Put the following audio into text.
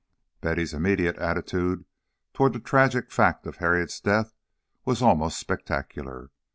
Betty's immediate attitude toward the tragic fact of Harriet's death was almost spectacular.